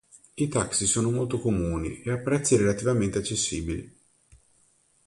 I taxi sono molto comuni e a prezzi relativamente accessibili.